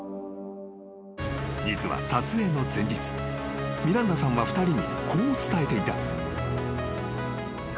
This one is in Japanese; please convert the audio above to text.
［実は撮影の前日ミランダさんは２人にこう伝えていた］